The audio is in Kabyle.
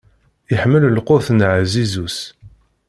Iḥemmel lqut n ɛzizu-s.